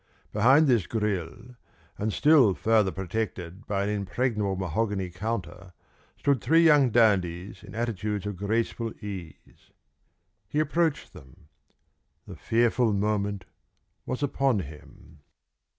Behind this grille, and still further protected by an impregnable mahogany counter, stood three young dandies in attitudes of graceful ease. He approached them. The fearful moment was upon him.